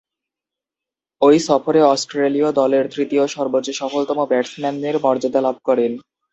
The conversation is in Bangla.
ঐ সফরে অস্ট্রেলীয় দলের তৃতীয় সর্বোচ্চ সফলতম ব্যাটসম্যানের মর্যাদা লাভ করেন।